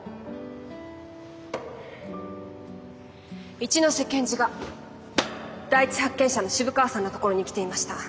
一ノ瀬検事が第一発見者の渋川さんのところに来ていました。